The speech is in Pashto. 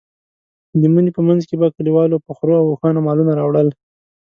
د مني په منځ کې به کلیوالو په خرو او اوښانو مالونه راوړل.